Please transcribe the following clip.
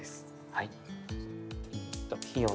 はい。